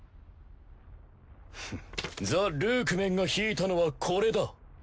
ザ・ルークメンが引いたのはこれだ。